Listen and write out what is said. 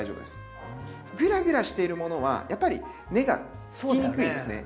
グラグラしているものはやっぱり根がつきにくいんですね。